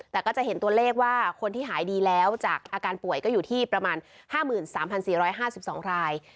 แต่ก็จะเห็นตัวเลขว่าคนที่หายดีแล้วจากอาการป่วยก็อยู่ที่ประมาณห้าหมื่นสามพันสี่ร้อยห้าสิบสองราย